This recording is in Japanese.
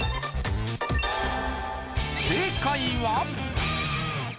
正解は？